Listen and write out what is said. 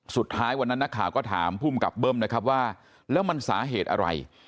สุดท้ายวันนั้นนักข่าวก็ถามภูมิกับเบิ้มนะครับว่าแล้วมันสาเหตุอะไร